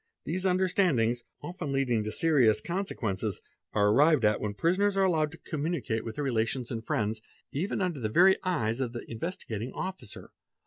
These understandings, often leading to serious consequence are arrived at when prisoners are allowed to communicate with th HAND SIGNS 387 relations and friends, even under the very eyes of the Investigating Officer.